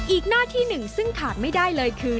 อีกหน้าที่หนึ่งซึ่งขาดไม่ได้เลยคือ